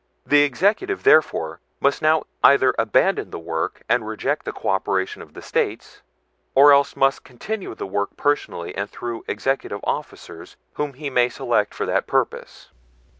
The Executive, therefore, must now either abandon the work and reject the cooperation of the States, or else must continue the work personally and through executive officers whom he may select for that purpose."